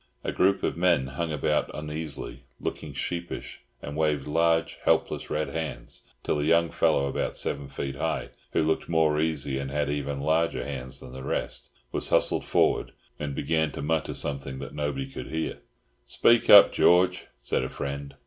A group of men hung about uneasily, looked sheepish, and waved large, helpless red hands, till a young fellow about seven feet high—who looked more uneasy and had even larger hands than the rest—was hustled forward, and began to mutter something that nobody could hear. "Speak up, George," said a friend.